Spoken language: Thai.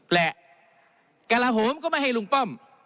และกระลาโหมก็ไม่ให้ลุงป้อม